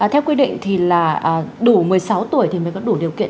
theo quy định thì là đủ một mươi sáu tuổi thì mới có đủ điều kiện